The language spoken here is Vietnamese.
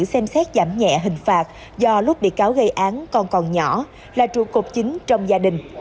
xem xét giảm nhẹ hình phạt do lúc bị cáo gây án còn còn nhỏ là trụ cột chính trong gia đình